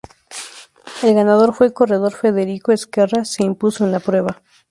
El ganador fue el corredor Federico Ezquerra se impuso en la prueba.